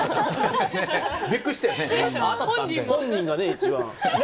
本人が一番ね。